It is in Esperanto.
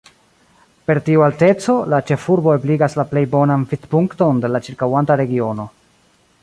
Per tiu alteco, la ĉefturo ebligas la plej bonan vidpunkton de la ĉirkaŭanta regiono.